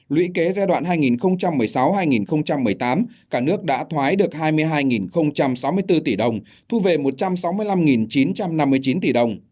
lũy kế giai đoạn hai nghìn một mươi sáu hai nghìn một mươi tám cả nước đã thoái được hai mươi hai sáu mươi bốn tỷ đồng thu về một trăm sáu mươi năm chín trăm năm mươi chín tỷ đồng